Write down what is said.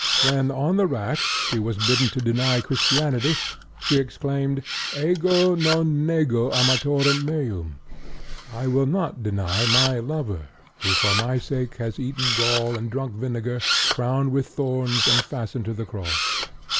When on the rack she was bidden to deny Christianity, she exclaimed: "Ego non nego amatorem meum!" I will not deny my lover who for my sake has eaten gall and drunk vinegar, crowned with thorns, and fastened to the cross.